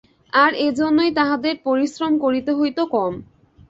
আর এইজন্যই তাঁহাদের পরিশ্রম করিতে হইত কম।